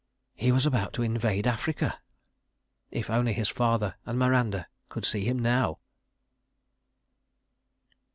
He was about to invade Africa! ... If only his father and Miranda could see him now!